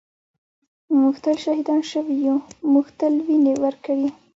ًٍمونږ تل شهیدان شوي یُو مونږ تل وینې ورکــــړي